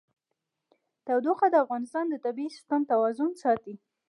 تودوخه د افغانستان د طبعي سیسټم توازن ساتي.